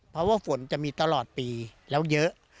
เพราะว่าฝนจะมีตลอดปีแล้วเยอะ